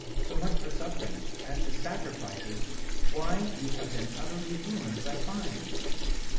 So much for sufferings; as to sacrifices why, you have been utterly ruined by fines!"